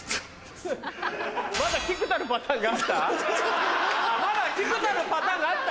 まだ菊田のパターンがあった？